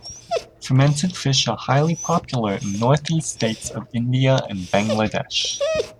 Fermented fish are highly popular in Northeast states of India and Bangladesh.